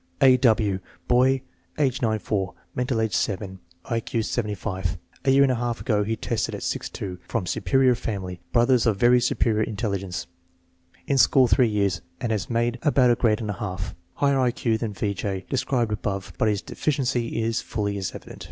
A. W. Boy, age 9 4; mental age 7; I Q 75. A year and a half ago he tested at fr 8. Prom superior family, brothers of very superior intelligence. In school three years and has made about a grade and a half. Has higher I Q than V. J. described above, but his deficiency is fully as evident.